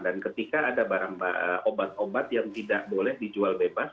dan ketika ada obat obat yang tidak boleh dijual bebas